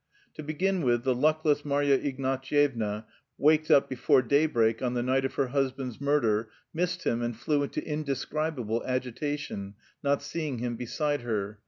To begin with, the luckless Marya Ignatyevna waked up before daybreak on the night of her husband's murder, missed him and flew into indescribable agitation, not seeing him beside her.